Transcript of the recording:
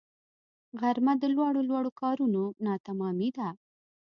غرمه د لوړو لوړو کارونو ناتمامی ده